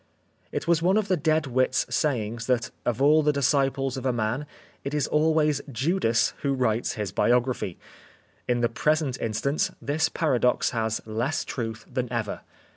It was one of the dead wit's sayings that of all the disciples of a man it is always Judas who writes his biography. In the present instance this paradox has less truth than ever.